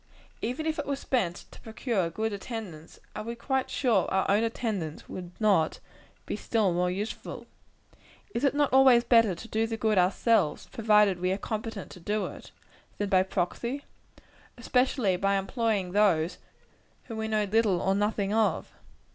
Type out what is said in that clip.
Even if it were spent to procure good attendance, are we quite sure our own attendance would not be still more useful? Is it not always better to do the good ourselves provided we are competent to do it than by proxy; especially, by employing those whom we know little or nothing of?